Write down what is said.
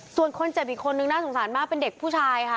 ส่วนคนเจ็บอีกคนนึงน่าสงสารมากเป็นเด็กผู้ชายค่ะ